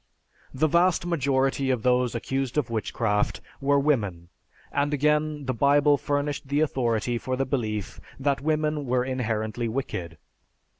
The vast majority of those accused of witchcraft were women, and again the Bible furnished the authority for the belief that women were inherently wicked.